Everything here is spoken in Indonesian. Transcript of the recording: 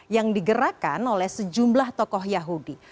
yang digerakkan oleh sejumlah tokoh yahudi